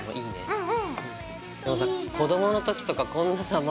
うん！